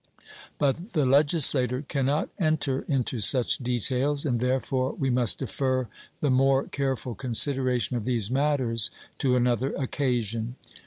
But the legislator cannot enter into such details, and therefore we must defer the more careful consideration of these matters to another occasion.